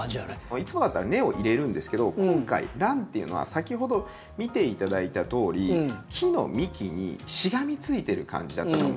いつもだったら根を入れるんですけど今回ランっていうのは先ほど見ていただいたとおり木の幹にしがみついてる感じだったと思うんですよ。